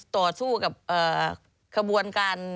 ต่อสู้กับขบวนการ